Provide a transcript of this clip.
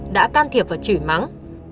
đã can thiệp vào chửi mắng